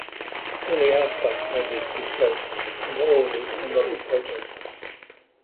Only Outback manages to escape, under orders and under protest.